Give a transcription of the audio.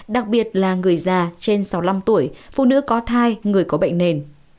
đặc biệt là người già trên sáu mươi năm tuổi phụ nữ có thai người có bệnh nền